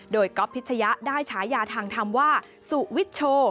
โดยก๊อฟพิชยะได้ฉายาทางธรรมว่าสุวิชโช